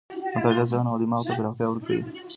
مطالعه ذهن او دماغ ته پراختیا ورکوي.